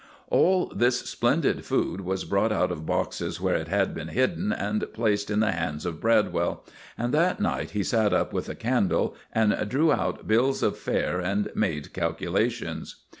All this splendid food was brought out of boxes where it had been hidden and placed in the hands of Bradwell; and that night he sat up with a candle and drew out bills of fare and made calculations.